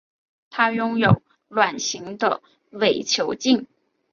它拥有卵形的伪球茎。